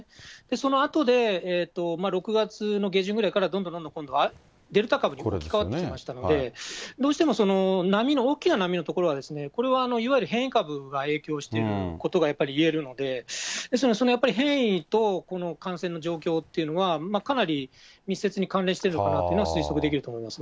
そのあとで、６月の下旬ぐらいからどんどんどんどん、今度はデルタ株に置き換わってきましたので、どうしても波の、大きな波の所はこれはいわゆる変異株が影響してることがやっぱり言えるので、ですので、やっぱり変異と、この感染の状況っていうのは、かなり密接に関連しているのかなというのは推測できると思います